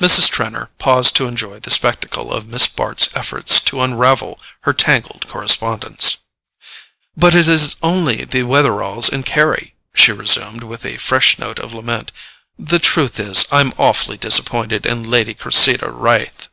Mrs. Trenor paused to enjoy the spectacle of Miss Bart's efforts to unravel her tangled correspondence. "But it is only the Wetheralls and Carry," she resumed, with a fresh note of lament. "The truth is, I'm awfully disappointed in Lady Cressida Raith."